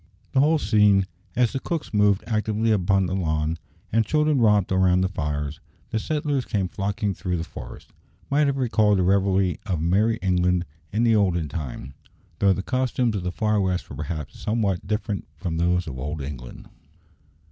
The whole scene, as the cooks moved actively about upon the lawn, and children romped round the fires, and settlers came flocking through the forests, might have recalled the revelry of merry England in the olden time, though the costumes of the far west were perhaps somewhat different from those of old England.